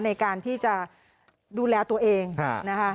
ในการที่จะดูแลตัวเองนะคะ